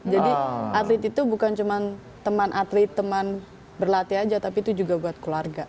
jadi atlet itu bukan cuman teman atlet teman berlatih aja tapi itu juga buat keluarga